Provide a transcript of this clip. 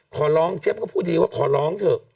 ขอร้องเจี๊ยบก็พูดดีว่าขอร้องเถอะ